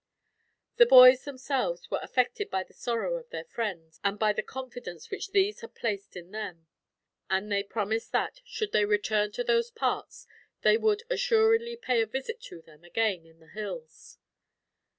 The boys, themselves, were affected by the sorrow of their friends, and by the confidence which these had placed in them; and they promised that, should they return to those parts, they would assuredly pay a visit to them, again, in the hills.